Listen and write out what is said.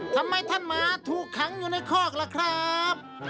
ทำไมท่านหมาถูกขังอยู่ในคอกล่ะครับ